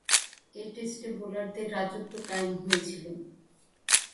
এ টেস্টে বোলারদের রাজত্ব কায়েম হয়েছিল।